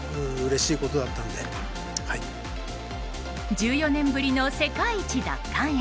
１４年ぶりの世界一奪還へ。